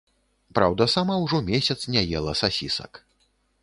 Праўда, сама ўжо месяц не ела сасісак.